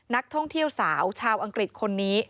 นักท่องเที่ยวสาวชาวอังกฤษคนนี้